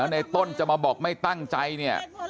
ในต้นจะมาบอกไม่ตั้งใจไง